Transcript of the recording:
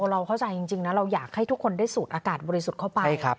เราเข้าใจจริงนะเราอยากให้ทุกคนได้สูดอากาศบริสุทธิ์เข้าไป